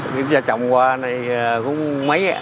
giá trồng qua này cũng mấy